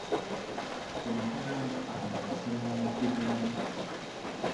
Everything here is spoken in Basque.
Komisarioak haren zertzelada batzuk eman dizkigu.